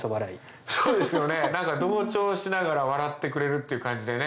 そうですよね何か同調しながら笑ってくれるっていう感じでね。